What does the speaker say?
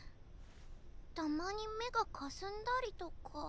たまに目がかすんだりとか。